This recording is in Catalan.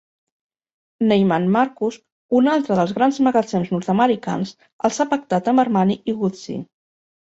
Neiman Marcus, un altre dels grans magatzems nord-americans, els ha pactat amb Armani i Gucci.